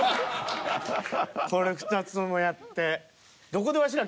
これ２つともやって。